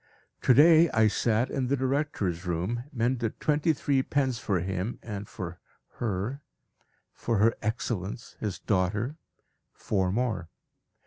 _ To day I sat in the director's room, mended twenty three pens for him, and for Her for Her Excellence, his daughter, four more.